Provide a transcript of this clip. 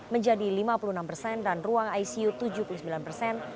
menjadi lima puluh enam persen dan ruang icu tujuh puluh sembilan persen